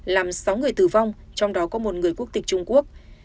làm sáu người tử vong trong đó có một người quốc tịch trung quốc